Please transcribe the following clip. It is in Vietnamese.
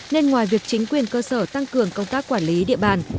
nên ngoài việc chính quyền cơ sở tăng cường công tác quản lý địa bàn